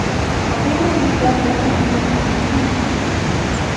خطير جداً لكِ أن تكوني هنا.